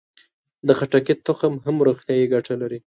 د خټکي تخم هم روغتیایي ګټه لري.